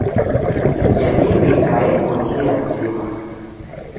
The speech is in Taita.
Yadimika eko chia zima.